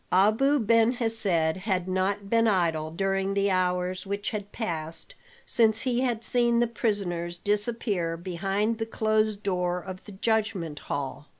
Abu Ben Hesed had not been idle during the hours which had passed since he had seen the prisoners disappear behind the closed door of the judgment hall.